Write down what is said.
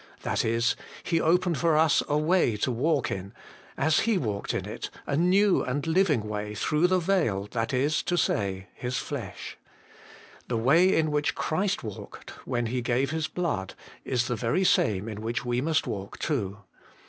That is, He opened for us a way to walk in, as He walked in it, ' a new and living way, through the veil, that is to say, His flesh.' The way in which Christ walked when He gave His blood, is the very same in which we must walk too.